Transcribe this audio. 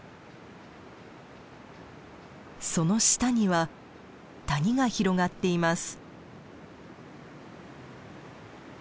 その下には谷が広がっています。